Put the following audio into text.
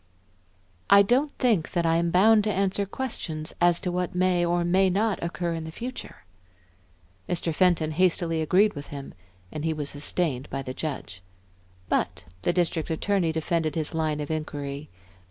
"I don't think that I am bound to answer questions as to what may or may not occur in the future." Mr. Fenton hastily agreed with him, and he was sustained by the judge. But the District Attorney defended his line of inquiry.